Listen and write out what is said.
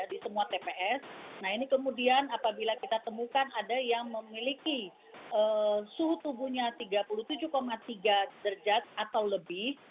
jadi semua tps nah ini kemudian apabila kita temukan ada yang memiliki suhu tubuhnya tiga puluh tujuh tiga derajat atau lebih